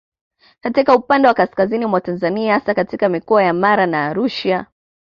Katika upande wa kaskazini mwa Tanzania hasa katika Mikoa ya Mara na Arusha